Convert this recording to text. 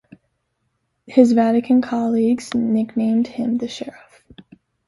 His Vatican colleagues nicknamed him "the sheriff".